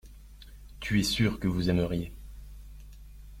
Tu es sûr vous aimeriez.